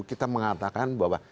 kita mengatakan bahwa